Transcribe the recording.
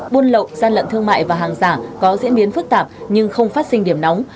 buôn lậu gian lận thương mại và hàng giả có diễn biến phức tạp nhưng không phát sinh điểm nóng